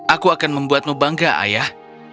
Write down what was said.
aku akan membuatmu bangga ayah